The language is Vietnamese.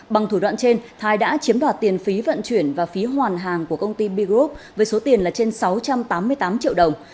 bằng thủ đoạn trên thái đã chiếm đoạt tiền phí vận chuyển và phí hoàn hàng của công ty b group với số tiền là trên sáu trăm tám mươi tám triệu đồng